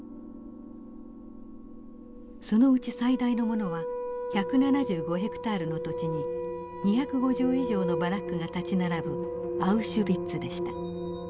そのうち最大のものは１７５ヘクタールの土地に２５０以上のバラックが立ち並ぶアウシュビッツでした。